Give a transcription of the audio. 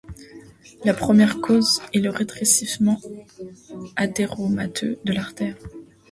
La première cause est le rétrécissement athéromateux de l'artère.